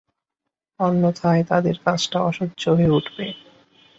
অন্যথায় তাদের কাজটা অসহ্য হয়ে উঠবে।